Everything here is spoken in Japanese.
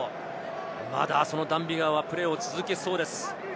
まだ、そのダン・ビガーはプレーを続けそうです。